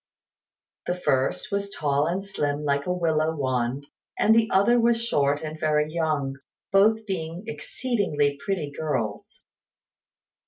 The first was tall and slim like a willow wand; the other was short and very young, both being exceedingly pretty girls.